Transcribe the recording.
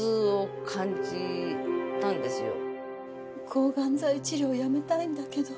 抗がん剤治療やめたいんだけど。